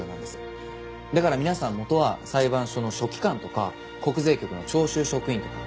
だから皆さん元は裁判所の書記官とか国税局の徴収職員とか。